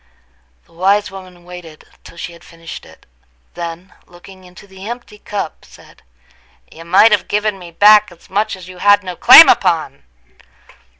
The wise woman waited till she had finished it—then, looking into the empty cup, said: "You might have given me back as much as you had no claim upon!"